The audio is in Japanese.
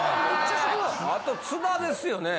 あと津田ですよね。